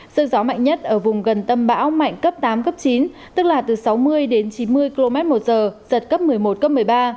sức gió mạnh nhất ở vùng gần tâm bão mạnh cấp tám cấp chín tức là từ sáu mươi đến chín mươi km một giờ giật cấp một mươi một cấp một mươi ba